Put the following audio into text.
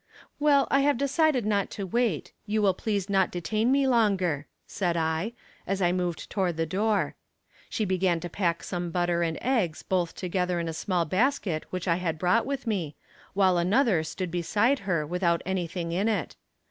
"Well, I have decided not to wait; you will please not detain me longer," said I, as I moved toward the door. She began to pack some butter and eggs both together in a small basket which I had brought with me, while another stood beside her without anything in it.